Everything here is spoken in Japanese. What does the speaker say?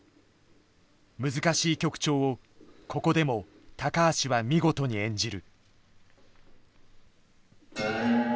難しい曲調をここでも橋は見事に演じる。